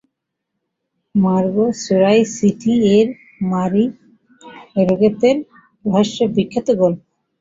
মার্গ চোরাই চিঠি এবং মারি রোগেতের রহস্য বিখ্যাত গল্প।